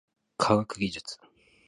科学技術